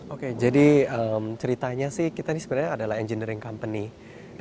oke jadi ceritanya sih kita ini sebenarnya adalah engineering company